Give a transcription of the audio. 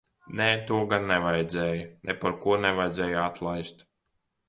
Nē, to gan nevajadzēja. Neparko nevajadzēja atlaist.